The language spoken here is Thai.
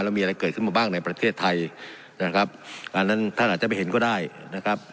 แล้วมีอะไรเกิดขึ้นมาบ้างในประเทศไทยนะครับอันนั้นท่านอาจจะไม่เห็นก็ได้นะครับ